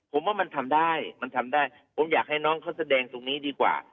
ผมว่ามันทำได้มันทำได้ผมอยากให้น้องเขาแสดงตรงนี้ดีกว่า